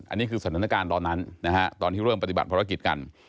อันนี้คือสถานการณ์ตอนนั้นนะฮะตอนที่เริ่มปฏิบัติภารกิจกัน